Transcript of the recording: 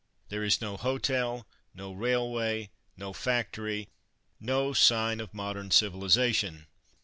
There is no hotel, no railway, no factory, no sign of modern civilization.